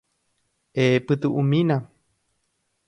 Epytu'umína.